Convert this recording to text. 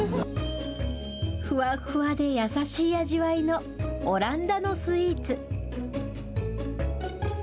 ふわふわで優しい味わいのオランダのスイーツ。